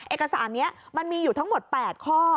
เอกสารนี้มันมีอยู่ทั้งหมด๘ข้อ